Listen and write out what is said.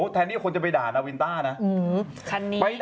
แทนที่คนจะไปด่านาวินต้านะ